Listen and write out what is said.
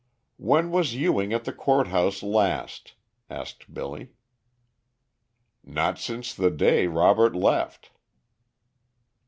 "When was Ewing at the Court House last?" asked Billy. "Not since the day Robert left."